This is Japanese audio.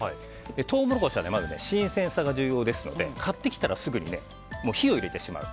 トウモロコシは新鮮さが重要ですので買ってきたらすぐに火を入れてしまう。